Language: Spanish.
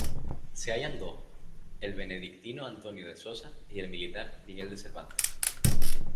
Se hallan dos: el benedictino Antonio de Sosa y el militar Miguel de Cervantes.